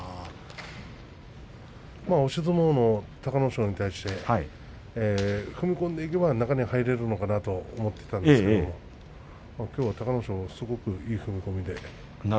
押し相撲の隆の勝に対して踏み込んでいけば中に入れるのかなと思っていたんですがきょうは隆の勝のいい踏み込みで。